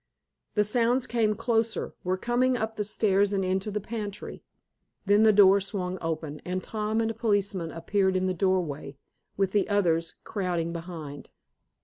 The sounds came closer, were coming up the stairs and into the pantry. Then the door swung open, and Tom and a policeman appeared in the doorway, with the others crowding behind.